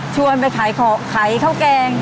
คือไปขายของขายข้าวแกง